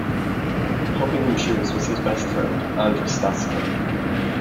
Helping him choose was his best friend Andra Stasko.